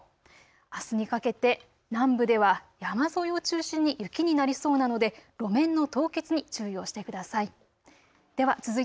あすにかけて南部では山沿いを中心に雪になりそうなので路面の凍結に注意をしてください。